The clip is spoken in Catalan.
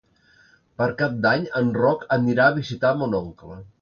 Per Cap d'Any en Roc anirà a visitar mon oncle.